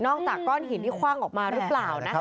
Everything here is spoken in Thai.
จากก้อนหินที่คว่างออกมาหรือเปล่านะคะ